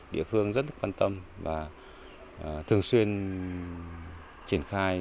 địa phương rất quan tâm và thường xuyên triển khai